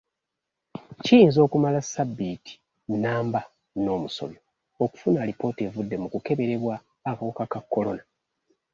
Kiyinza okumala ssabbiiti nnamba n'omusobyo okufuna alipoota evudde mu kukeberebwa akawuka ka kolona.